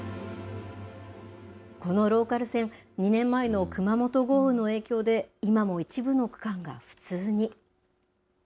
このローカル線、２年前の熊本豪雨の影響で、今も一部の区間が不通に。